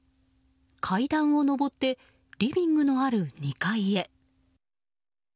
階段を上ってリビングのある２階へ。